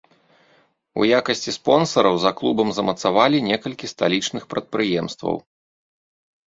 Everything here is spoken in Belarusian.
У якасці спонсараў за клубам замацавалі некалькі сталічных прадпрыемстваў.